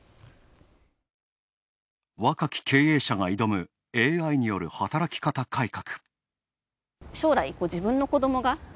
若き経営者が挑むＡＩによる働き方改革。